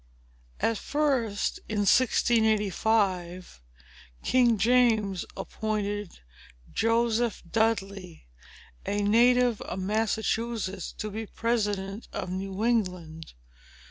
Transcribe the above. At first, in 1685, King James appointed Joseph Dudley, a native of Massachusetts, to be president of New England.